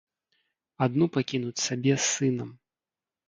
Адну пакінуць сабе з сынам.